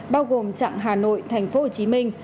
bao gồm trạng hà nội thành phố hồ chí minh